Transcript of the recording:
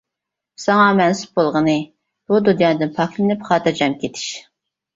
ساڭا مەنسۇپ بولغىنى، بۇ دۇنيادىن پاكلىنىپ خاتىرجەم كېتىش.